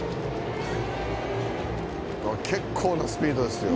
結構なスピードですよ。